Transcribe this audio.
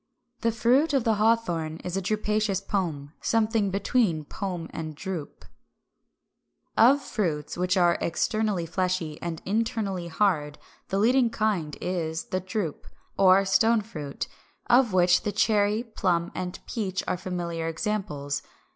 The fruit of the Hawthorn is a drupaceous pome, something between pome and drupe. 355. Of fruits which are externally fleshy and internally hard the leading kind is 356. =The Drupe=, or Stone fruit; of which the cherry, plum, and peach (Fig. 375) are familiar examples.